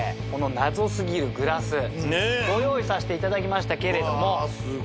この謎すぎるグラスご用意させていただきましたけれども。